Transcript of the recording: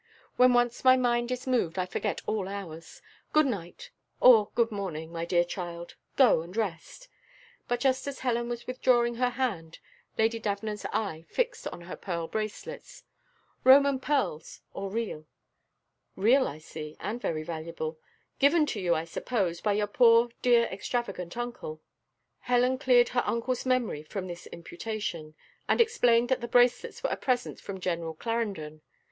When once my mind is moved, I forget all hours. Good night or good morning, my dear child; go, and rest." But just as Helen was withdrawing her hand, Lady Davenant's eye fixed on her pearl bracelets "Roman pearls, or real? Real, I see, and very valuable! given to you, I suppose, by your poor dear extravagant uncle?" Helen cleared her uncle's memory from this imputation, and explained that the bracelets were a present from General Clarendon.